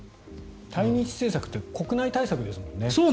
対日政策って国内対策ですもんね。